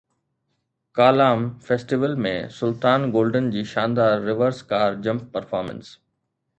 Kalam festival ۾ Sultan Golden جي شاندار reverse car jump performance